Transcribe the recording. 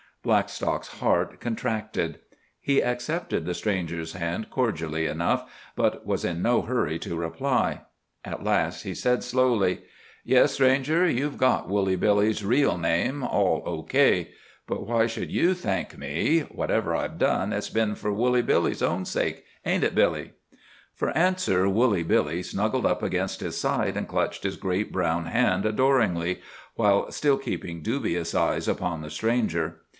Blackstock's heart contracted. He accepted the stranger's hand cordially enough, but was in no hurry to reply. At last he said slowly: "Yes, Stranger, you've got Woolly Billy's reel name all O. K. But why should you thank me? Whatever I've done, it's been for Woolly Billy's own sake—ain't it, Billy?" For answer, Woolly Billy snuggled up against his side and clutched his great brown hand adoringly, while still keeping dubious eyes upon the stranger.